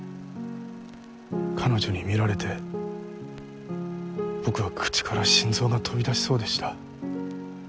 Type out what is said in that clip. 彼女に見られて僕は口から心臓が飛び出しそうでした。